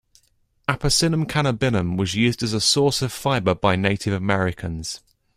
"Apocynum cannabinum" was used as a source of fiber by Native Americans.